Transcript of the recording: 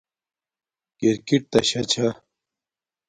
کِرکِٹ تݳ شݳ چھݳ.